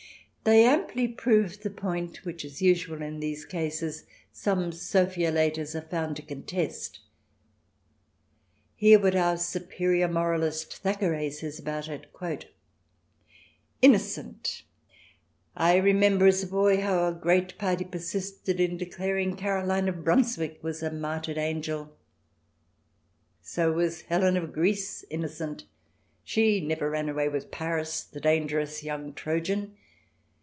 They amply prove the point, which, as usual in these cases, some Sophiolaters are found to contest. Hear what our superior moralist, Thackeray, says about it :" Innocent 1 I remember, as a boy, how a great party persisted in declaring Caroline of Brunswick was a martyred angel. So was Helen of Greece innocent. She never ran away with Paris, the dangerous young Trojan.